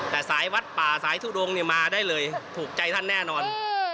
แต่สายวัดป่าสายทุดงมาได้เลยถูกใจท่านแน่นอน